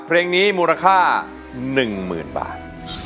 เพลงนี้มูลค่า๑๐๐๐บาท